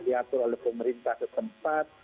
diatur oleh pemerintah keempat